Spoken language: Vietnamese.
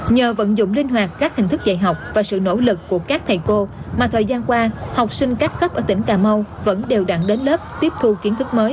nhờ vận dụng linh hoạt các hình thức dạy học và sự nỗ lực của các thầy cô mà thời gian qua học sinh các cấp ở tỉnh cà mau vẫn đều đặn đến lớp tiếp thu kiến thức mới